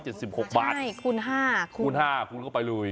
ใช่คุณฮ่าคุณฮ่าคุณก็ไปลุย